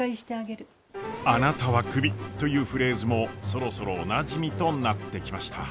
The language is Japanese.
「あなたはクビ」というフレーズもそろそろおなじみとなってきました。